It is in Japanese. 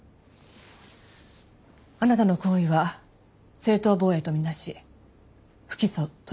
あなたの行為は正当防衛とみなし不起訴とします。